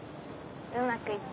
うまくいった？